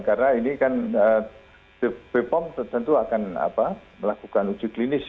karena ini kan bepom tentu akan melakukan uji klinis